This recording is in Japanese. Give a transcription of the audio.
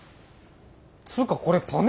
つうかこれパネ